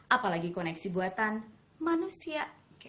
apalagi koneksi buatan manusia